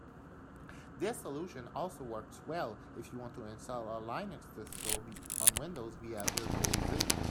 This solution also works well if you want to install a Linux distro on Windows via virtualization.